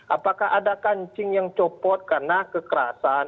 apakah ada kancing yang copot karena kekerasan